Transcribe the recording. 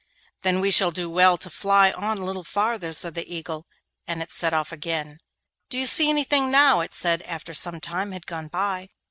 'Then we shall do well to fly on a little farther,' said the Eagle, and it set off again. 'Do you see anything now?' it said after some time had gone by.